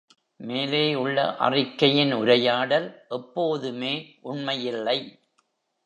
மேலே உள்ள அறிக்கையின் உரையாடல், எப்போதுமே உண்மை இல்லை.